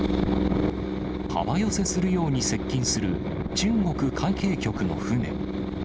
幅寄せするように接近する中国海警局の船。